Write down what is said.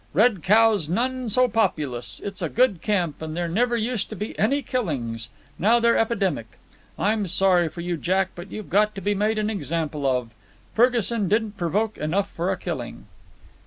Red Cow's none so populous. It's a good camp, and there never used to be any killings. Now they're epidemic. I'm sorry for you, Jack, but you've got to be made an example of. Ferguson didn't provoke enough for a killing."